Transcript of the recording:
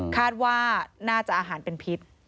คาดว่าน่าจะอาหารเป็นพิษ